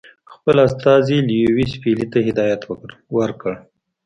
خپل استازي لیویس پیلي ته هدایت ورکړ.